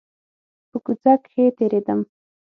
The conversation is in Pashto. په کوڅه کښې تېرېدم .